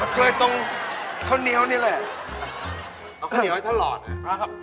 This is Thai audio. เคยอยู่ตรงข้าวเหนียวนี่เลย